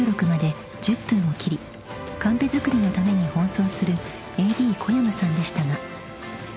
［カンペ作りのために奔走するＡＤ小山さんでしたが］